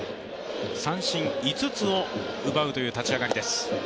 三振５つを奪うという立ち上がりです。